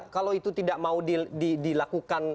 kalau itu tidak mau dilakukan